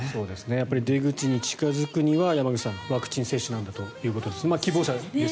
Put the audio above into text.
やっぱり出口に近付くには山口さん、ワクチン接種なんだということです。